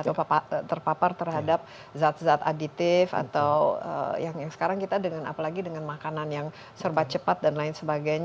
atau terpapar terhadap zat zat aditif atau yang sekarang kita dengan apalagi dengan makanan yang serba cepat dan lain sebagainya